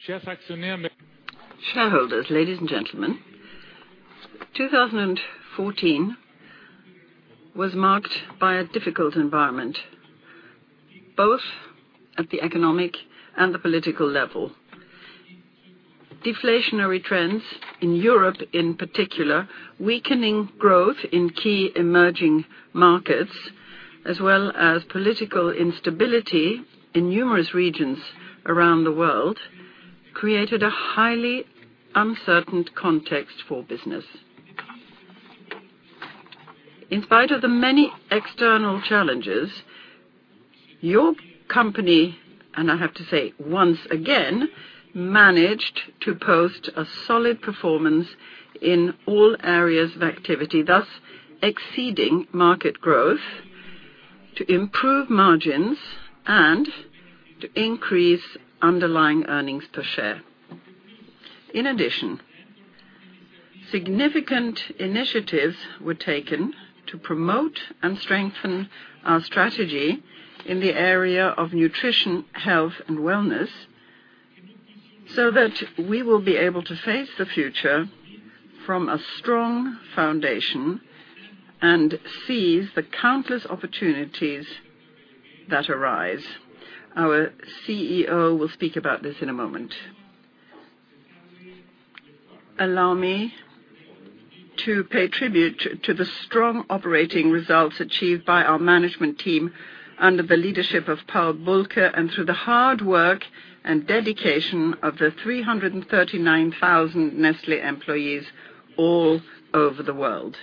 Shareholders, ladies and gentlemen, 2014 was marked by a difficult environment, both at the economic and the political level. Deflationary trends in Europe, in particular, weakening growth in key emerging markets, as well as political instability in numerous regions around the world, created a highly uncertain context for business. In spite of the many external challenges, your company, and I have to say once again, managed to post a solid performance in all areas of activity, thus exceeding market growth to improve margins and to increase underlying earnings per share. In addition, significant initiatives were taken to promote and strengthen our strategy in the area of nutrition, health, and wellness, so that we will be able to face the future from a strong foundation and seize the countless opportunities that arise. Our CEO will speak about this in a moment. Allow me to pay tribute to the strong operating results achieved by our management team under the leadership of Paul Bulcke and through the hard work and dedication of the 339,000 Nestlé employees all over the world.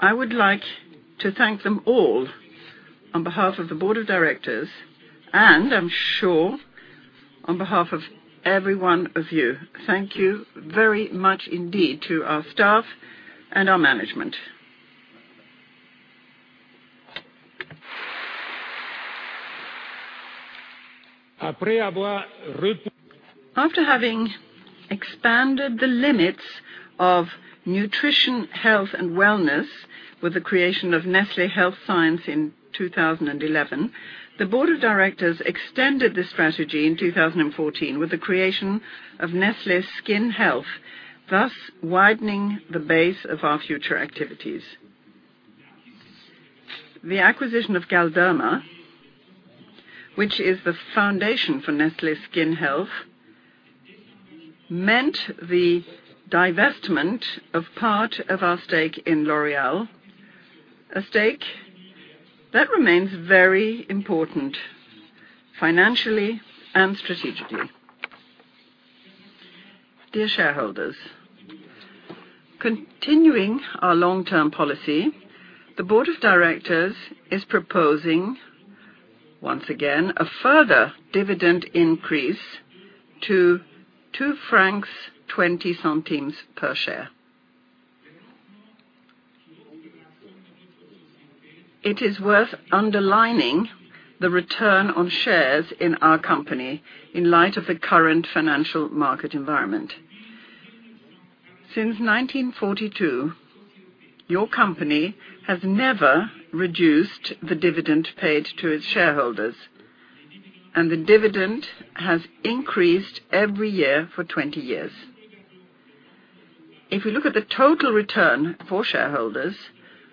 I would like to thank them all on behalf of the board of directors, and I'm sure on behalf of every one of you. Thank you very much indeed to our staff and our management. After having expanded the limits of nutrition, health, and wellness with the creation of Nestlé Health Science in 2011, the board of directors extended this strategy in 2014 with the creation of Nestlé Skin Health, thus widening the base of our future activities. The acquisition of Galderma, which is the foundation for Nestlé Skin Health, meant the divestment of part of our stake in L'Oréal, a stake that remains very important financially and strategically. Dear shareholders, continuing our long-term policy, the board of directors is proposing, once again, a further dividend increase to 2.20 francs per share. It is worth underlining the return on shares in our company in light of the current financial market environment. Since 1942, your company has never reduced the dividend paid to its shareholders, and the dividend has increased every year for 20 years. If we look at the total return for shareholders,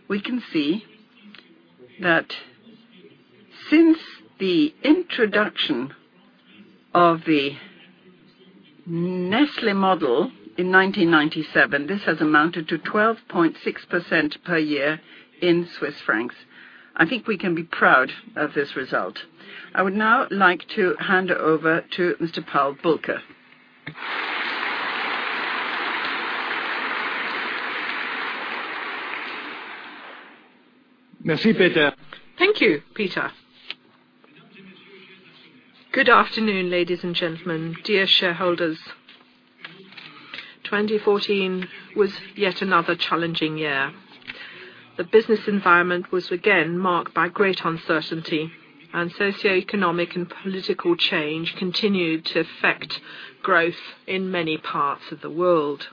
we can see that since the introduction of the Nestlé Model in 1997, this has amounted to 12.6% per year in CHF. I think we can be proud of this result. I would now like to hand over to Mr. Paul Bulcke. Thank you, Peter. Good afternoon, ladies and gentlemen, dear shareholders. 2014 was yet another challenging year. The business environment was again marked by great uncertainty, and socioeconomic and political change continued to affect growth in many parts of the world.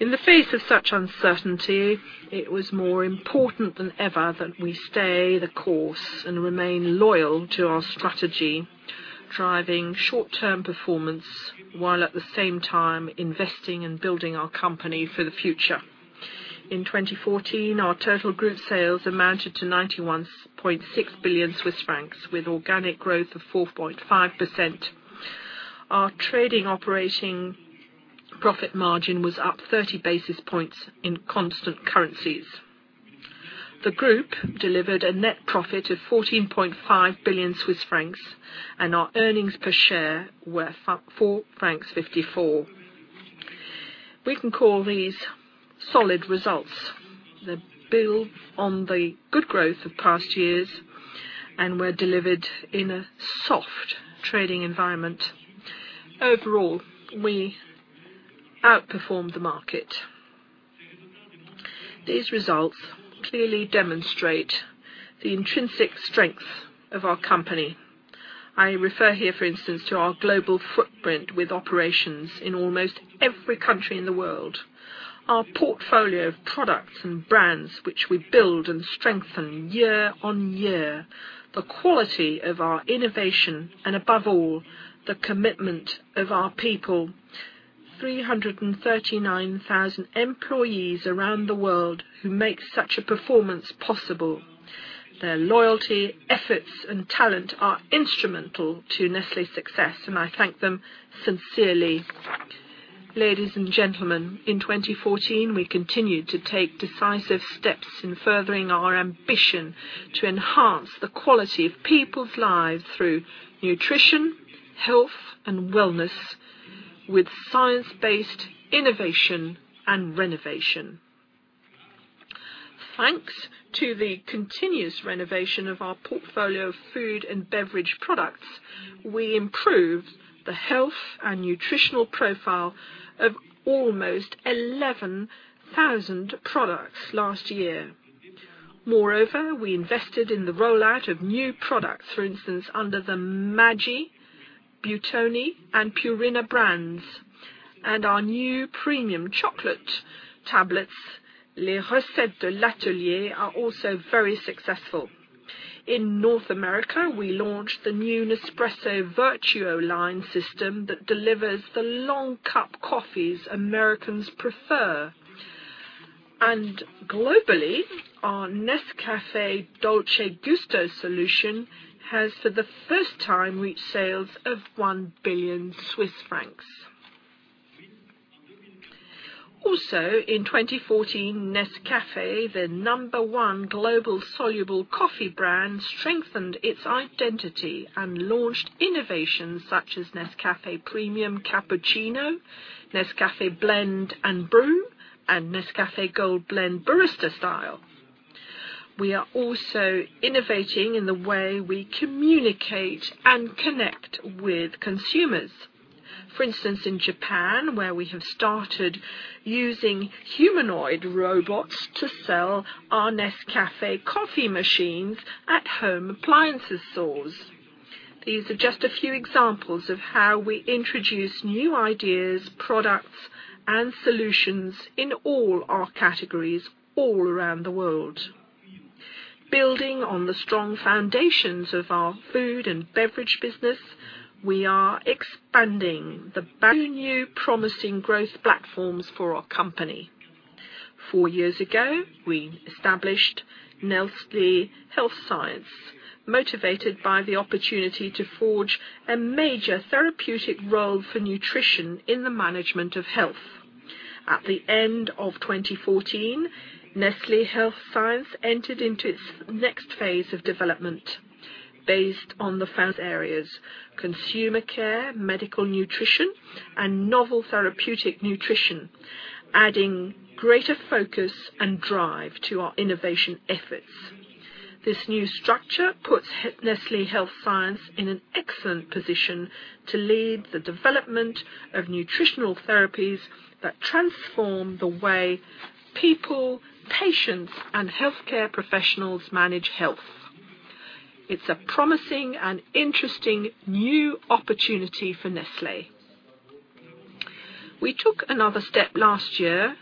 In the face of such uncertainty, it was more important than ever that we stay the course and remain loyal to our strategy, driving short-term performance, while at the same time investing and building our company for the future. In 2014, our total group sales amounted to 91.6 billion Swiss francs, with organic growth of 4.5%. Our trading operating profit margin was up 30 basis points in constant currencies. The group delivered a net profit of 14.5 billion Swiss francs, and our earnings per share were up 4.54. We can call these solid results that build on the good growth of past years and were delivered in a soft trading environment. Overall, we outperformed the market. These results clearly demonstrate the intrinsic strength of our company. I refer here, for instance, to our global footprint with operations in almost every country in the world, our portfolio of products and brands, which we build and strengthen year on year, the quality of our innovation, and above all, the commitment of our people, 339,000 employees around the world who make such a performance possible. Their loyalty, efforts, and talent are instrumental to Nestlé's success, and I thank them sincerely. Ladies and gentlemen, in 2014, we continued to take decisive steps in furthering our ambition to enhance the quality of people's lives through nutrition, health, and wellness with science-based innovation and renovation. Thanks to the continuous renovation of our portfolio of food and beverage products, we improved the health and nutritional profile of almost 11,000 products last year. Moreover, we invested in the rollout of new products. For instance, under the Maggi, Buitoni, and Purina brands, and our new premium chocolate tablets, are also very successful. In North America, we launched the new Nespresso VertuoLine system that delivers the long cup coffees Americans prefer. Globally, our Nescafé Dolce Gusto solution has, for the first time, reached sales of 1 billion Swiss francs. Also, in 2014, Nescafé, the number 1 global soluble coffee brand, strengthened its identity and launched innovations such as Nescafé Premium Cappuccino, Nescafé Blend and Brew, and Nescafé Gold Blend Barista Style. We are also innovating in the way we communicate and connect with consumers. For instance, in Japan, where we have started using humanoid robots to sell our Nescafé coffee machines at home appliances stores. These are just a few examples of how we introduce new ideas, products, and solutions in all our categories all around the world. Building on the strong foundations of our food and beverage business, we are expanding two new promising growth platforms for our company. Four years ago, we established Nestlé Health Science, motivated by the opportunity to forge a major therapeutic role for nutrition in the management of health. At the end of 2014, Nestlé Health Science entered into its next phase of development based on the found areas: consumer care, medical nutrition, and novel therapeutic nutrition, adding greater focus and drive to our innovation efforts. This new structure puts Nestlé Health Science in an excellent position to lead the development of nutritional therapies that transform the way people, patients, and healthcare professionals manage health. It's a promising and interesting new opportunity for Nestlé. We took another step last year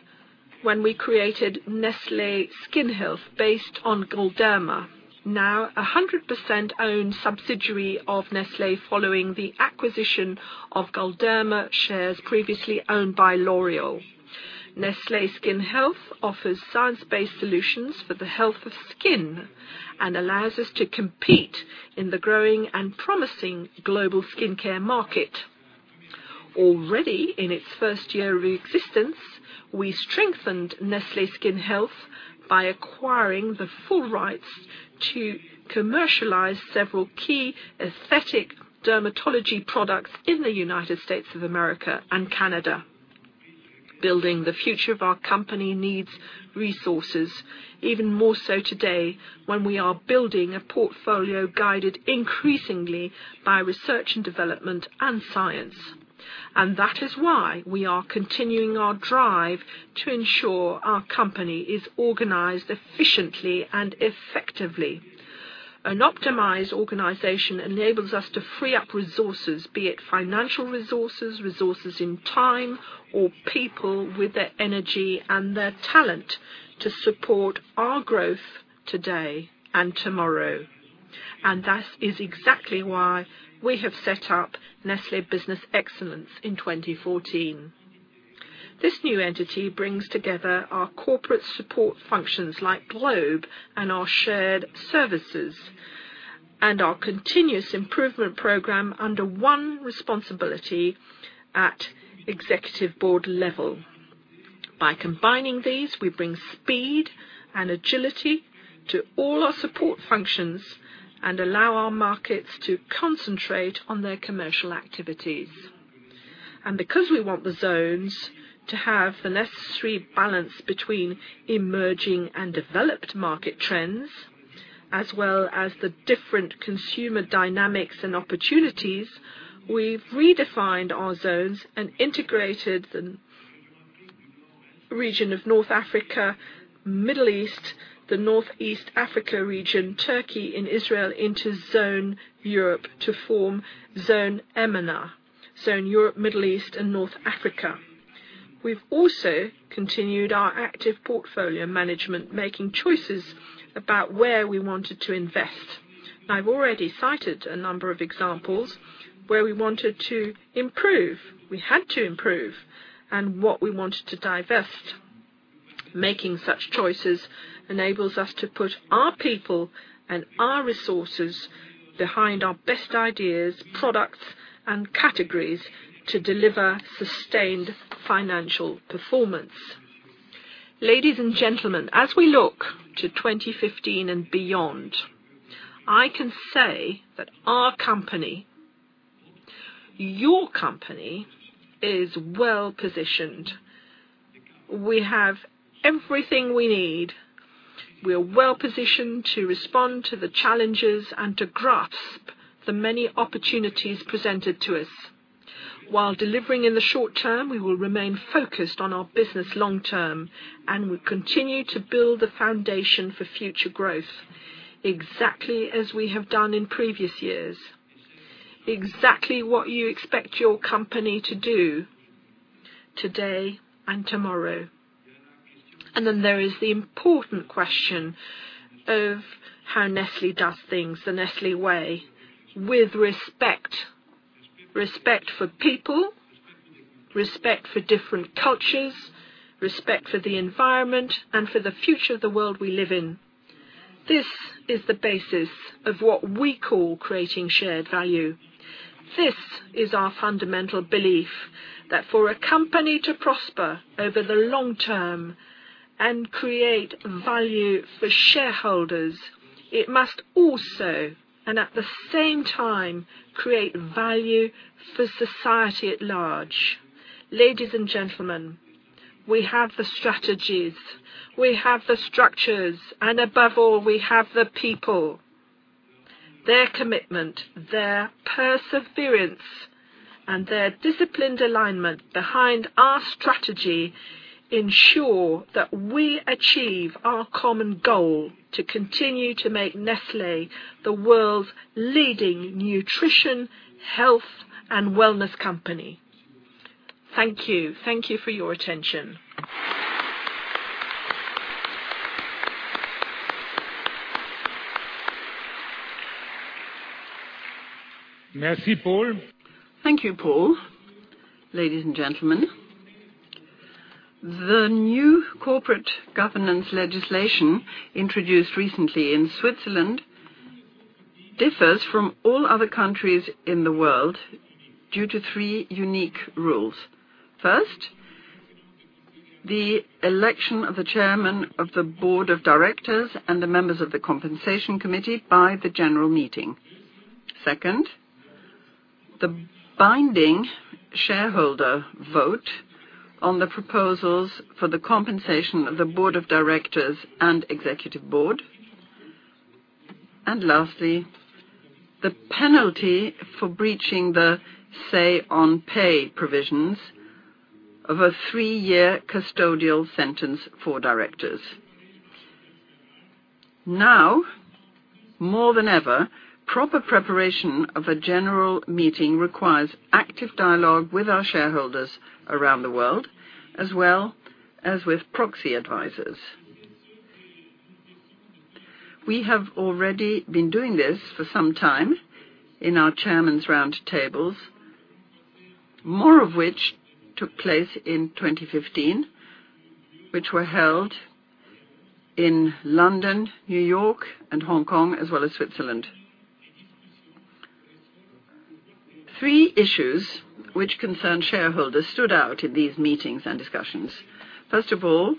when we created Nestlé Skin Health, based on Galderma, now 100% owned subsidiary of Nestlé following the acquisition of Galderma shares previously owned by L'Oréal. Nestlé Skin Health offers science-based solutions for the health of skin and allows us to compete in the growing and promising global skincare market. Already in its first year of existence, we strengthened Nestlé Skin Health by acquiring the full rights to commercialize several key aesthetic dermatology products in the United States of America and Canada. Building the future of our company needs resources, even more so today, when we are building a portfolio guided increasingly by research and development and science. That is why we are continuing our drive to ensure our company is organized efficiently and effectively. An optimized organization enables us to free up resources, be it financial resources in time, or people with their energy and their talent to support our growth today and tomorrow. That is exactly why we have set up Nestlé Business Excellence in 2014. This new entity brings together our corporate support functions like GLOBE and our shared services and our continuous improvement program under one responsibility at Executive Board level. By combining these, we bring speed and agility to all our support functions and allow our markets to concentrate on their commercial activities. Because we want the zones to have the necessary balance between emerging and developed market trends, as well as the different consumer dynamics and opportunities, we have redefined our zones and integrated the Region of North Africa, Middle East, the Northeast Africa region, Turkey and Israel into Zone Europe to form Zone EMENA. In Europe, Middle East, and North Africa. We have also continued our active portfolio management, making choices about where we wanted to invest. I have already cited a number of examples where we wanted to improve, we had to improve, and what we wanted to divest. Making such choices enables us to put our people and our resources behind our best ideas, products, and categories to deliver sustained financial performance. Ladies and gentlemen, as we look to 2015 and beyond, I can say that our company, your company, is well-positioned. We have everything we need. We are well-positioned to respond to the challenges and to grasp the many opportunities presented to us. While delivering in the short term, we will remain focused on our business long term, and we continue to build the foundation for future growth exactly as we have done in previous years. Exactly what you expect your company to do today and tomorrow. Then there is the important question of how Nestlé does things the Nestlé way: with respect. Respect for people, respect for different cultures, respect for the environment, and for the future of the world we live in. This is the basis of what we call Creating Shared Value. This is our fundamental belief that for a company to prosper over the long term and create value for shareholders, it must also, and at the same time, create value for society at large. Ladies and gentlemen, we have the strategies, we have the structures, and above all, we have the people. Their commitment, their perseverance, and their disciplined alignment behind our strategy ensure that we achieve our common goal to continue to make Nestlé the world's leading nutrition, health, and wellness company. Thank you. Thank you for your attention. Merci, Paul. Thank you, Paul. Ladies and gentlemen, the new corporate governance legislation introduced recently in Switzerland differs from all other countries in the world due to three unique rules. First, the election of the Chairman of the Board of Directors and the members of the Compensation Committee by the General Meeting. Second, the binding shareholder vote on the proposals for the compensation of the Board of Directors and Executive Board. Lastly, the penalty for breaching the say on pay provisions of a three-year custodial sentence for directors. Now, more than ever, proper preparation of a general meeting requires active dialogue with our shareholders around the world, as well as with proxy advisors. We have already been doing this for some time in our Chairman's Roundtables, more of which took place in 2015. Which were held in London, New York, and Hong Kong, as well as Switzerland. Three issues which concerned shareholders stood out in these meetings and discussions. First of all,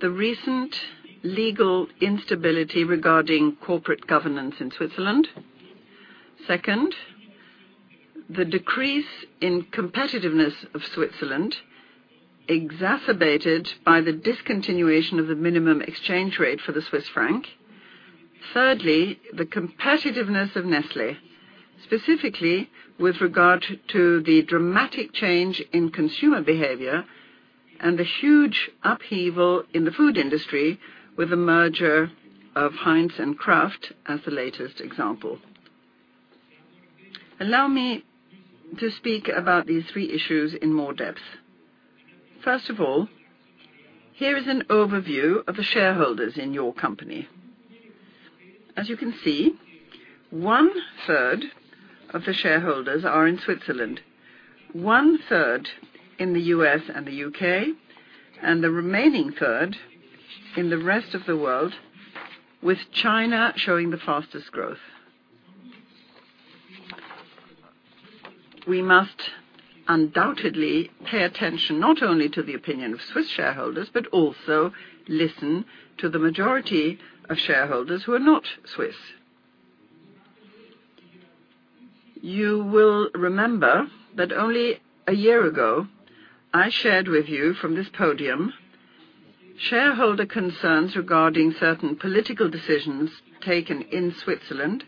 the recent legal instability regarding corporate governance in Switzerland. Second, the decrease in competitiveness of Switzerland exacerbated by the discontinuation of the minimum exchange rate for the Swiss franc. Thirdly, the competitiveness of Nestlé, specifically with regard to the dramatic change in consumer behavior and the huge upheaval in the food industry with the merger of Heinz and Kraft as the latest example. Allow me to speak about these three issues in more depth. First of all, here is an overview of the shareholders in your company. As you can see, one-third of the shareholders are in Switzerland, one-third in the U.S. and the U.K., and the remaining third in the rest of the world, with China showing the fastest growth. We must undoubtedly pay attention not only to the opinion of Swiss shareholders, but also listen to the majority of shareholders who are not Swiss. You will remember that only a year ago, I shared with you from this podium Shareholder concerns regarding certain political decisions taken in Switzerland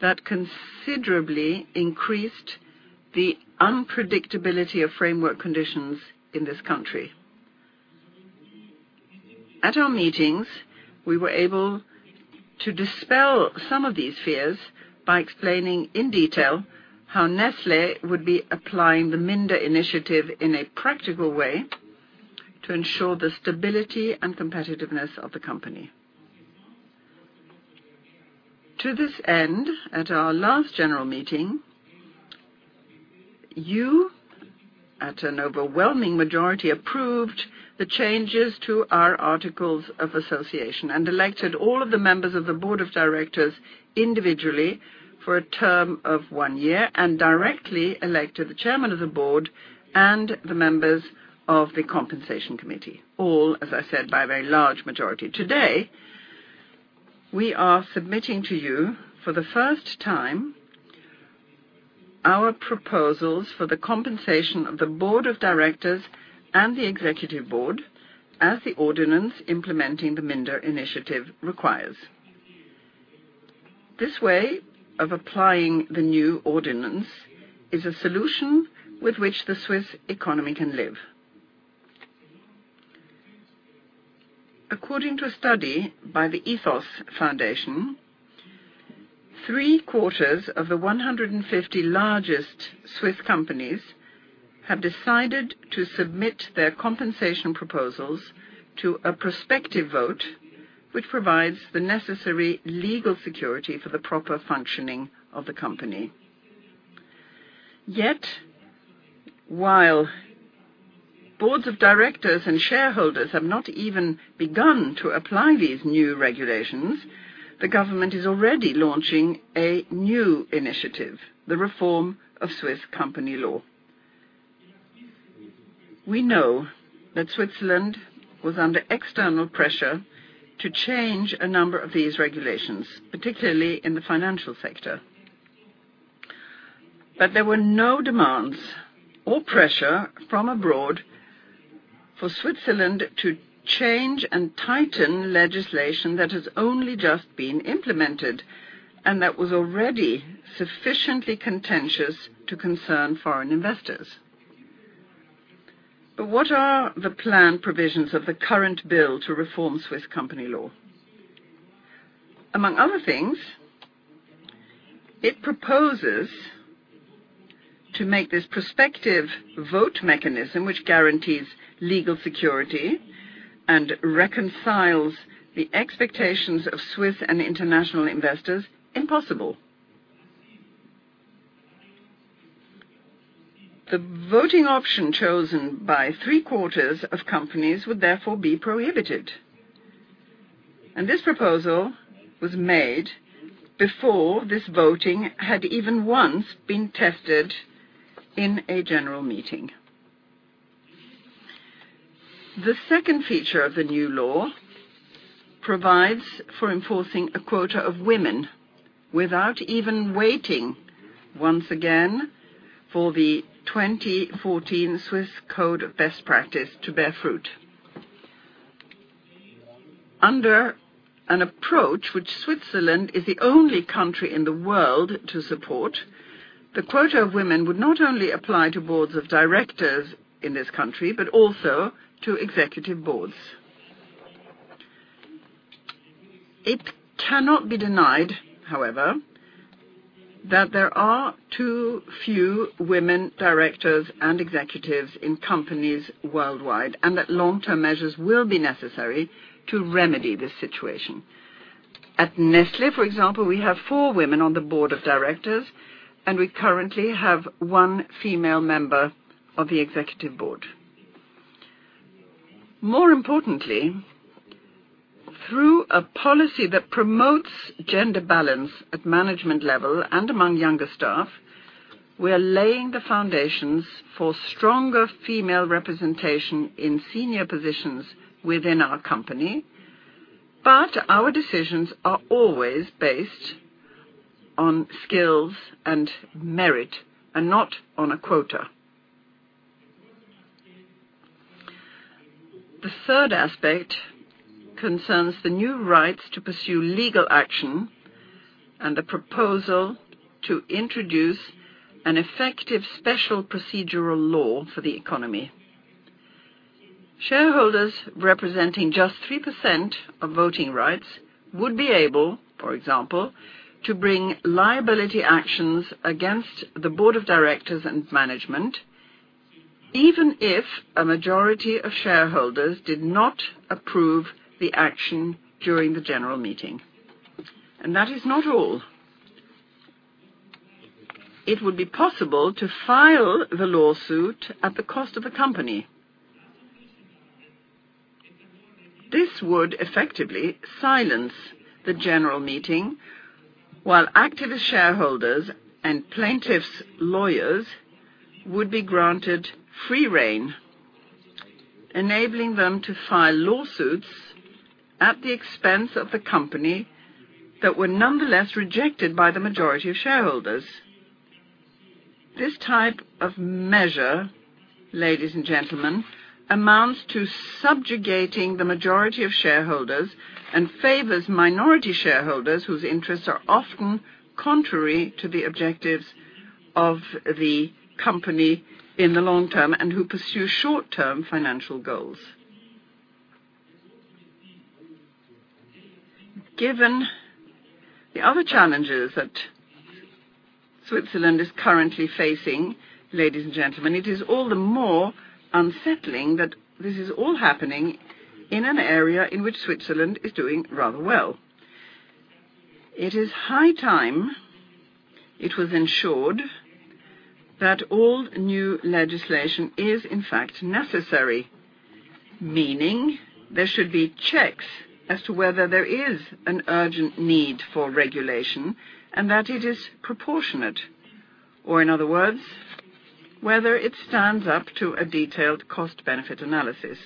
that considerably increased the predictability of framework conditions in this country. At our meetings, we were able to dispel some of these fears by explaining in detail how Nestlé would be applying the Minder initiative in a practical way to ensure the stability and competitiveness of the company. To this end, at our last general meeting, you, at an overwhelming majority, approved the changes to our articles of association and elected all of the members of the board of directors individually for a term of one year, and directly elected the chairman of the board and the members of the compensation committee. All, as I said, by a very large majority. Today, we are submitting to you for the first time our proposals for the compensation of the board of directors and the executive board as the ordinance implementing the Minder initiative requires. This way of applying the new ordinance is a solution with which the Swiss economy can live. According to a study by the Ethos Foundation, three-quarters of the 150 largest Swiss companies have decided to submit their compensation proposals to a prospective vote, which provides the necessary legal security for the proper functioning of the company. Yet, while boards of directors and shareholders have not even begun to apply these new regulations, the government is already launching a new initiative, the reform of Swiss company law. We know that Switzerland was under external pressure to change a number of these regulations, particularly in the financial sector. There were no demands or pressure from abroad for Switzerland to change and tighten legislation that has only just been implemented and that was already sufficiently contentious to concern foreign investors. What are the planned provisions of the current bill to reform Swiss company law? Among other things, it proposes to make this prospective vote mechanism, which guarantees legal security and reconciles the expectations of Swiss and international investors, impossible. The voting option chosen by three-quarters of companies would therefore be prohibited, and this proposal was made before this voting had even once been tested in a general meeting. The second feature of the new law provides for enforcing a quota of women without even waiting, once again, for the 2014 Swiss Code of Best Practice to bear fruit. Under an approach which Switzerland is the only country in the world to support, the quota of women would not only apply to boards of directors in this country but also to executive boards. It cannot be denied, however, that there are too few women directors and executives in companies worldwide, and that long-term measures will be necessary to remedy this situation. At Nestlé, for example, we have four women on the board of directors, and we currently have one female member of the executive board. More importantly, through a policy that promotes gender balance at management level and among younger staff, we are laying the foundations for stronger female representation in senior positions within our company. Our decisions are always based on skills and merit and not on a quota. The third aspect concerns the new rights to pursue legal action and the proposal to introduce an effective special procedural law for the economy. Shareholders representing just 3% of voting rights would be able, for example, to bring liability actions against the board of directors and management, even if a majority of shareholders did not approve the action during the general meeting. That is not all. It would be possible to file the lawsuit at the cost of the company. This would effectively silence the general meeting while activist shareholders and plaintiffs' lawyers would be granted free rein, enabling them to file lawsuits at the expense of the company that were nonetheless rejected by the majority of shareholders. This type of measure, ladies and gentlemen, amounts to subjugating the majority of shareholders and favors minority shareholders whose interests are often contrary to the objectives of the company in the long term and who pursue short-term financial goals. Given the other challenges that Switzerland is currently facing, ladies and gentlemen, it is all the more unsettling that this is all happening in an area in which Switzerland is doing rather well. It is high time it was ensured that all new legislation is in fact necessary. Meaning there should be checks as to whether there is an urgent need for regulation and that it is proportionate, or in other words, whether it stands up to a detailed cost-benefit analysis.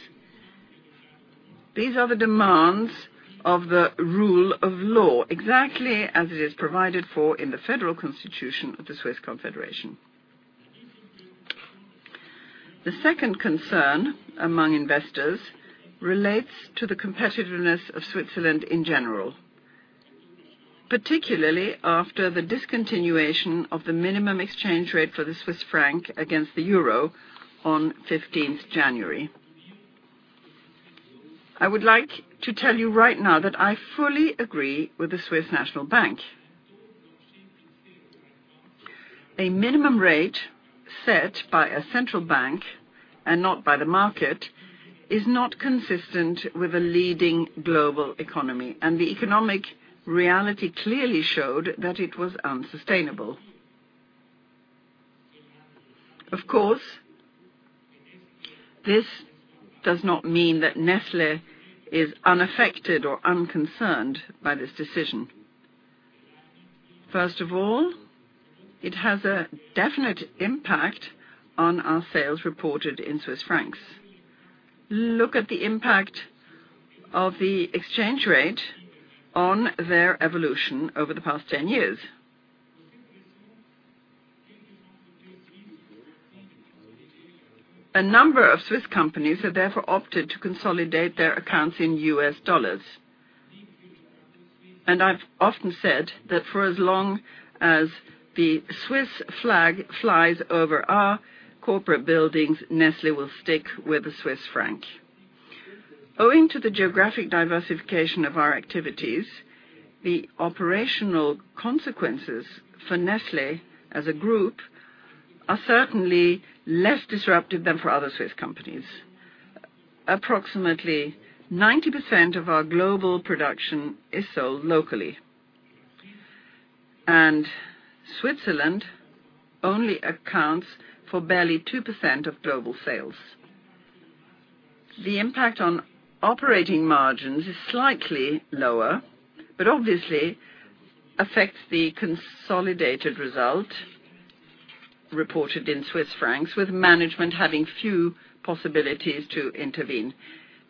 These are the demands of the rule of law, exactly as it is provided for in the Federal Constitution of the Swiss Confederation. The second concern among investors relates to the competitiveness of Switzerland in general, particularly after the discontinuation of the minimum exchange rate for the CHF against the EUR on 15th January. I would like to tell you right now that I fully agree with the Swiss National Bank. A minimum rate set by a central bank, and not by the market, is not consistent with a leading global economy, and the economic reality clearly showed that it was unsustainable. This does not mean that Nestlé is unaffected or unconcerned by this decision. First of all, it has a definite impact on our sales reported in CHF. Look at the impact of the exchange rate on their evolution over the past 10 years. A number of Swiss companies have therefore opted to consolidate their accounts in USD. I've often said that for as long as the Swiss flag flies over our corporate buildings, Nestlé will stick with the CHF. Owing to the geographic diversification of our activities, the operational consequences for Nestlé as a group are certainly less disruptive than for other Swiss companies. Approximately 90% of our global production is sold locally, and Switzerland only accounts for barely 2% of global sales. The impact on operating margins is slightly lower, but obviously affects the consolidated result reported in CHF with management having few possibilities to intervene.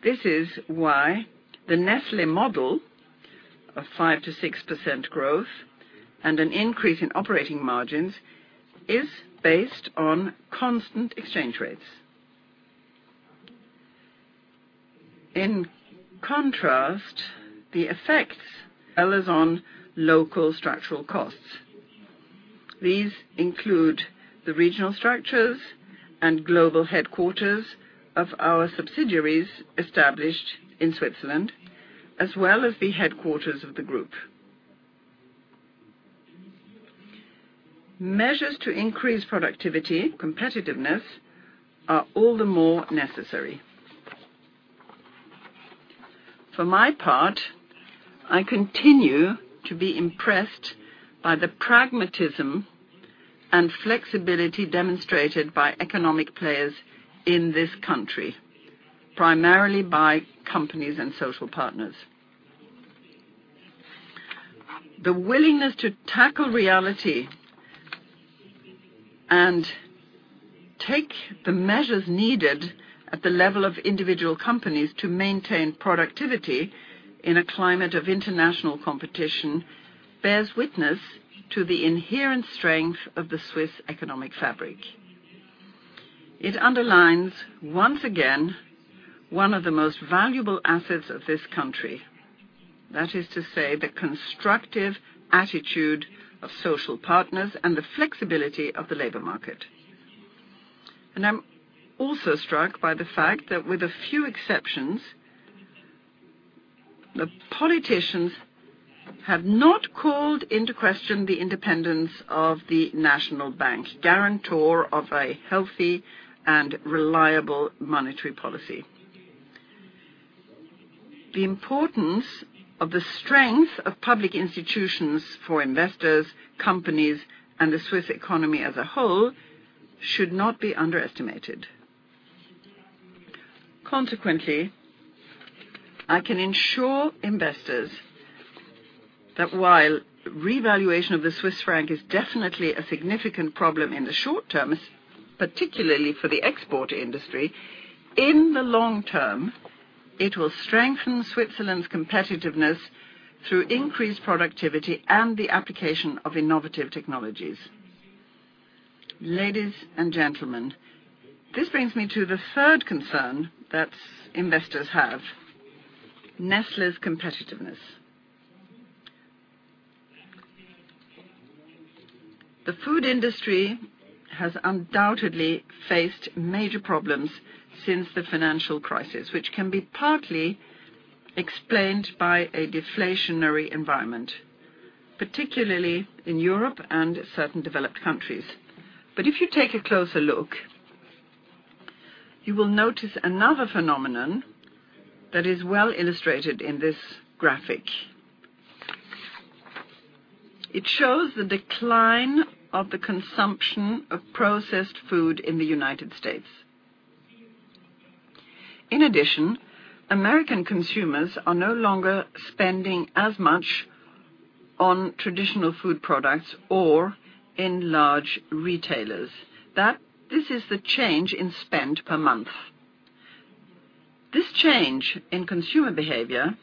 This is why the Nestlé Model of 5%-6% growth and an increase in operating margins is based on constant exchange rates. In contrast, the effects are on local structural costs. These include the regional structures and global headquarters of our subsidiaries established in Switzerland, as well as the headquarters of the group. Measures to increase productivity, competitiveness, are all the more necessary. For my part, I continue to be impressed by the pragmatism and flexibility demonstrated by economic players in this country, primarily by companies and social partners. The willingness to tackle reality and take the measures needed at the level of individual companies to maintain productivity in a climate of international competition bears witness to the inherent strength of the Swiss economic fabric. It underlines, once again, one of the most valuable assets of this country. That is to say, the constructive attitude of social partners and the flexibility of the labor market. I'm also struck by the fact that with a few exceptions, the politicians have not called into question the independence of the National Bank, guarantor of a healthy and reliable monetary policy. The importance of the strength of public institutions for investors, companies, and the Swiss economy as a whole should not be underestimated. Consequently, I can ensure investors that while revaluation of the Swiss franc is definitely a significant problem in the short term, particularly for the export industry, in the long term, it will strengthen Switzerland's competitiveness through increased productivity and the application of innovative technologies. Ladies and gentlemen, this brings me to the third concern that investors have, Nestlé's competitiveness. The food industry has undoubtedly faced major problems since the financial crisis, which can be partly explained by a deflationary environment, particularly in Europe and certain developed countries. If you take a closer look, you will notice another phenomenon that is well illustrated in this graphic. It shows the decline of the consumption of processed food in the U.S. In addition, American consumers are no longer spending as much on traditional food products or in large retailers. This is the change in spend per month. This change in consumer behavior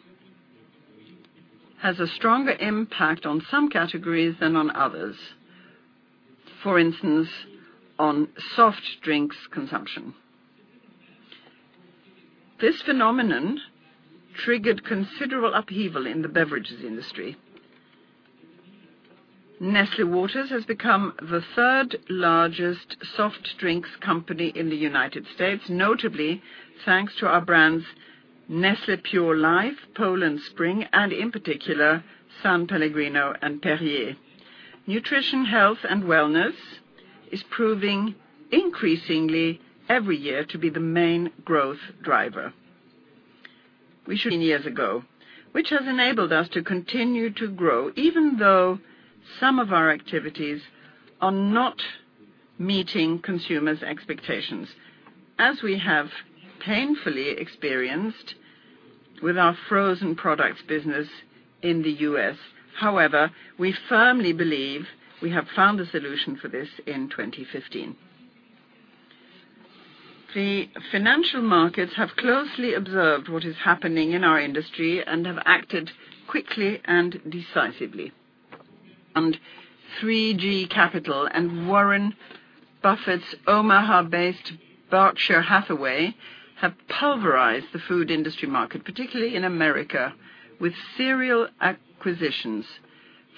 has a stronger impact on some categories than on others. For instance, on soft drinks consumption. This phenomenon triggered considerable upheaval in the beverages industry. Nestlé Waters has become the third largest soft drinks company in the U.S., notably thanks to our brands Nestlé Pure Life, Poland Spring, and in particular, S.Pellegrino and Perrier. Nutrition, health, and wellness is proving increasingly every year to be the main growth driver. years ago, which has enabled us to continue to grow, even though some of our activities are not meeting consumers' expectations, as we have painfully experienced with our frozen products business in the U.S. However, we firmly believe we have found a solution for this in 2015. The financial markets have closely observed what is happening in our industry and have acted quickly and decisively. 3G Capital and Warren Buffett's Omaha-based Berkshire Hathaway have pulverized the food industry market, particularly in America, with serial acquisitions.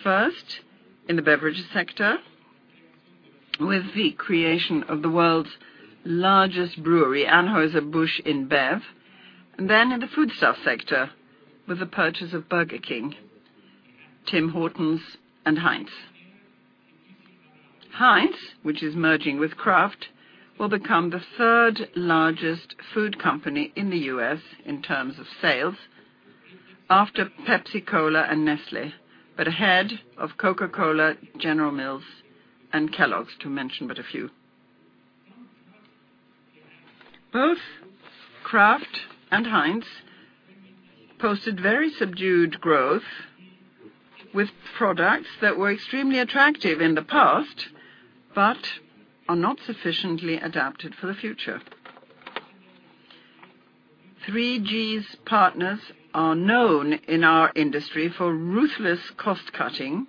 First, in the beverage sector, with the creation of the world's largest brewery, Anheuser-Busch InBev, then in the foodstuff sector with the purchase of Burger King, Tim Hortons, and Heinz. Heinz, which is merging with Kraft, will become the third largest food company in the U.S. in terms of sales after PepsiCo and Nestlé, but ahead of Coca-Cola, General Mills, and Kellogg's, to mention but a few. Both Kraft and Heinz posted very subdued growth with products that were extremely attractive in the past but are not sufficiently adapted for the future. 3G's partners are known in our industry for ruthless cost-cutting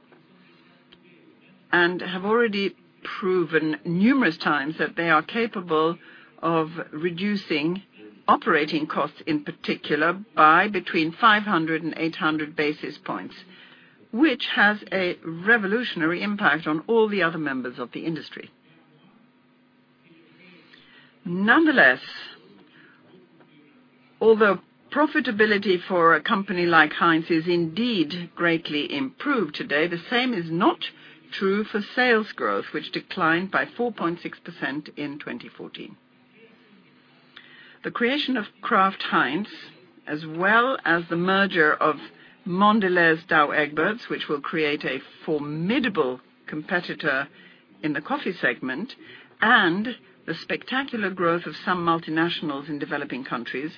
and have already proven numerous times that they are capable of reducing operating costs, in particular, by between 500 and 800 basis points, which has a revolutionary impact on all the other members of the industry. Nonetheless, although profitability for a company like Heinz is indeed greatly improved today, the same is not true for sales growth, which declined by 4.6% in 2014. The creation of Kraft Heinz, as well as the merger of Jacobs Douwe Egberts, which will create a formidable competitor in the coffee segment, and the spectacular growth of some multinationals in developing countries,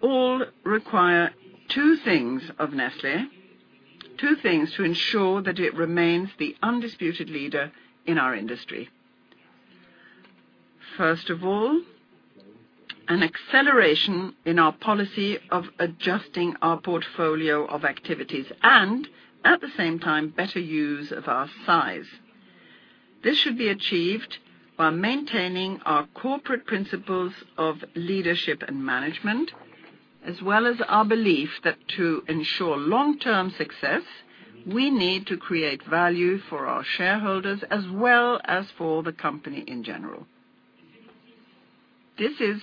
all require two things of Nestlé. Two things to ensure that it remains the undisputed leader in our industry. First of all, an acceleration in our policy of adjusting our portfolio of activities and, at the same time, better use of our size. This should be achieved by maintaining our corporate principles of leadership and management, as well as our belief that to ensure long-term success, we need to create value for our shareholders, as well as for the company in general. This is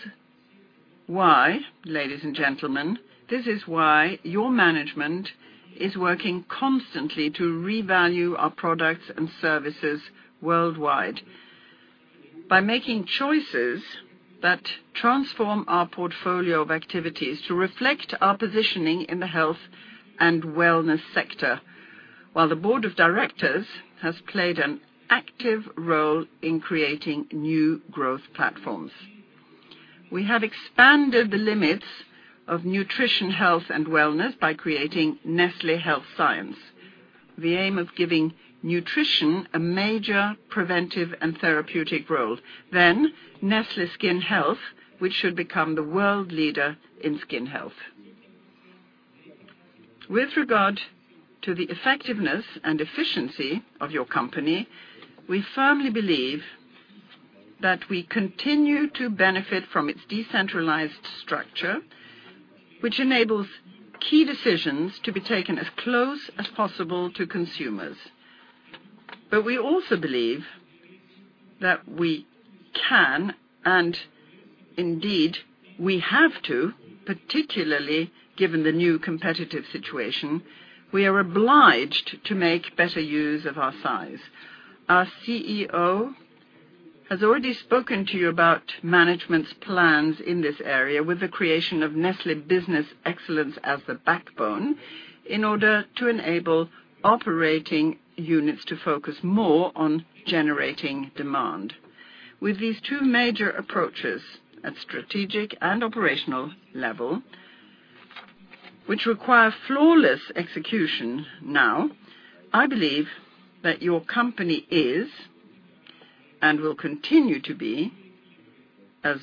why, ladies and gentlemen, this is why your management is working constantly to revalue our products and services worldwide by making choices that transform our portfolio of activities to reflect our positioning in the health and wellness sector while the board of directors has played an active role in creating new growth platforms. We have expanded the limits of nutrition, health, and wellness by creating Nestlé Health Science, the aim of giving nutrition a major preventive and therapeutic role. Nestlé Skin Health, which should become the world leader in skin health. With regard to the effectiveness and efficiency of your company, we firmly believe that we continue to benefit from its decentralized structure, which enables key decisions to be taken as close as possible to consumers. We also believe that we can, and indeed we have to, particularly given the new competitive situation, we are obliged to make better use of our size. Our CEO has already spoken to you about management's plans in this area with the creation of Nestlé Business Excellence as the backbone in order to enable operating units to focus more on generating demand. With these two major approaches at strategic and operational level, which require flawless execution now, I believe that your company is and will continue to be as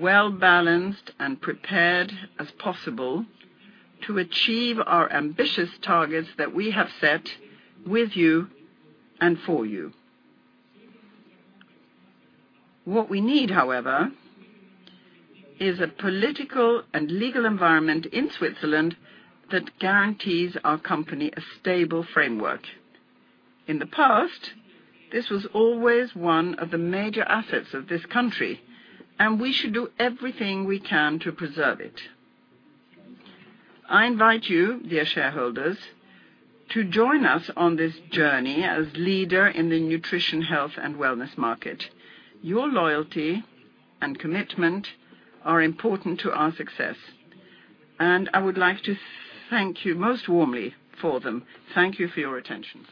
well-balanced and prepared as possible to achieve our ambitious targets that we have set with you and for you. What we need, however, is a political and legal environment in Switzerland that guarantees our company a stable framework. In the past, this was always one of the major assets of this country. We should do everything we can to preserve it. I invite you, dear shareholders, to join us on this journey as leader in the nutrition, health, and wellness market. Your loyalty and commitment are important to our success. I would like to thank you most warmly for them. Thank you for your attention.